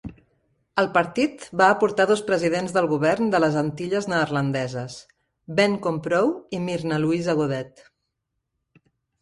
El partit va aportar dos presidents del govern de les Antilles Neerlandeses: Ben Komproe i Mirna Louisa-Godett.